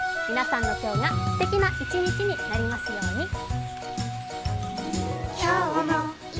皆さんの今日がすてきな１日になりますように。